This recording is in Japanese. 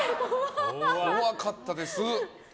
怖かったです。